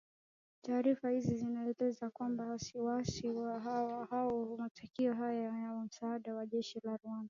Taarifa hizi zilieleza kwamba Waasi hao walifanya matukio haya kwa msaada wa jeshi la Rwanda